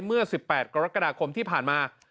เมื่อ๑๘กรกฎาคมที่ผ่านมา